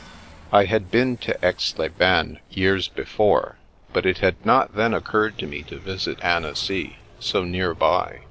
I had been to Aix les Bains years before, but it had not then occurred to me to visit Annecy, so near by.